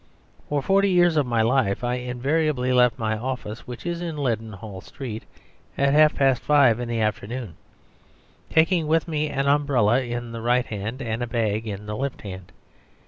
For forty years of my life I invariably left my office, which is in Leadenhall Street, at half past five in the afternoon, taking with me an umbrella in the right hand and a bag in the left hand.